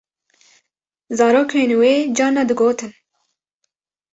Zarokên wê carna digotin.